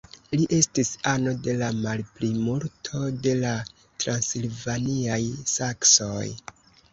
Li estis ano de la malplimulto de la transilvaniaj saksoj.